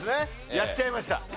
やっちゃいました。